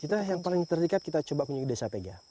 kita yang paling terdekat kita coba kunjungi desa pega